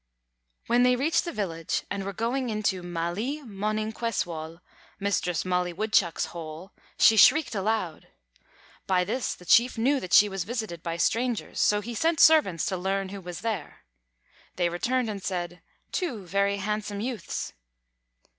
When they reached the village and were going into "Māli Moninkwesswōl," Mistress Molly Woodchuck's hole, she shrieked aloud. By this the chief knew that she was visited by strangers, so he sent servants to learn who was there. They returned and said, "Two very handsome youths."